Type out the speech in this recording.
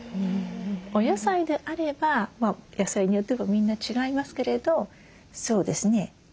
お野菜であれば野菜によってもみんな違いますけれどそうですね